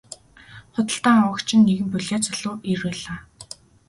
Худалдан авагч нь нэгэн булиа залуу эр байлаа.